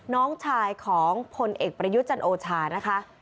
น้องชายของพลเอกประยุทธ์จันโอชานะคะ